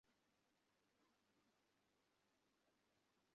তাছাড়া তাদের পালানোর বা অজ্ঞান অবস্থায় জেগে ওঠার ঝুঁকি নিতে পারে না সে।